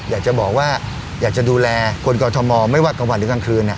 อยากจะบอกว่าอยากจะดูแลคนกรทมไม่ว่ากลางวันหรือกลางคืน